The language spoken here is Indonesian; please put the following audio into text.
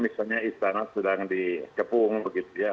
misalnya istana sedang dikepung begitu ya